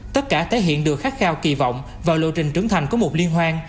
tất cả thể hiện được khát khao kỳ vọng và lộ trình trưởng thành của một liên hoan